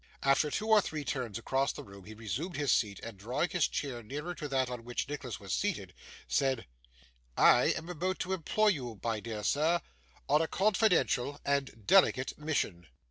After two or three turns across the room he resumed his seat, and drawing his chair nearer to that on which Nicholas was seated, said: 'I am about to employ you, my dear sir, on a confidential and delicate mission.